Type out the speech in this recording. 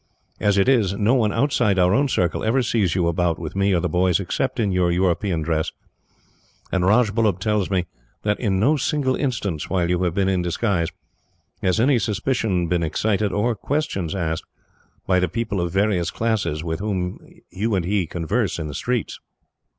As it is, no one outside our own circle ever sees you about with me or the boys, except in your European dress, and Rajbullub tells me that, in no single instance while you have been in disguise, has any suspicion been excited, or question asked by the people of various classes with whom you and he converse in the streets."